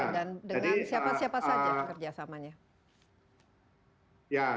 dan dengan siapa siapa saja kerjasamanya